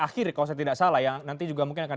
akhiri kalau saya tidak salah ya nanti juga mungkin akan